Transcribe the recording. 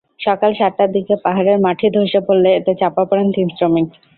সকাল সাতটার দিকে পাহাড়ের মাটি ধসে পড়লে এতে চাপা পড়েন তিন শ্রমিক।